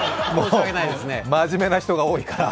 真面目な人が多いから。